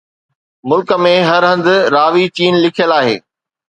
ملڪ ۾ هر هنڌ راوي چين لکيل آهي